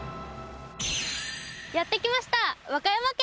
やって来ました和歌山県！